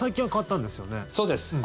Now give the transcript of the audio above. そうです。